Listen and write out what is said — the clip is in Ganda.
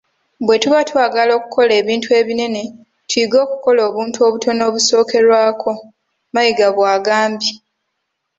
"Bwetuba twagala okukola ebintu ebinene tuyige okukola obuntu obutono obusookerwako,” Mayiga bw'agambye.